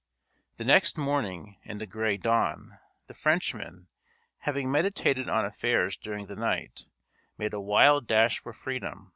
The next morning, in the grey dawn, the Frenchman, having meditated on affairs during the night, made a wild dash for freedom.